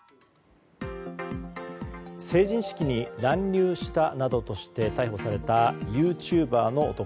成人式に乱入したなどとして逮捕されたユーチューバーの男。